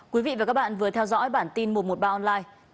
quý vị và các bạn vừa theo dõi bản tin một trăm một mươi ba online